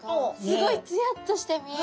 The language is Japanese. すごいツヤッとして見える。